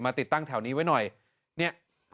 มาติดตั้งแถวนี้ไว้หน่อย